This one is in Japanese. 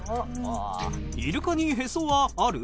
イルカにヘソはある？